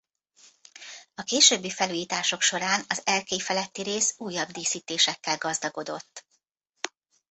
A későbbi felújítások során az erkély feletti rész újabb díszítésekkel gazdagodott.